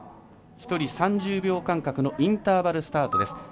１人３０秒間隔のインターバルスタートです。